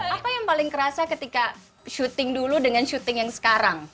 apa yang paling kerasa ketika syuting dulu dengan syuting yang sekarang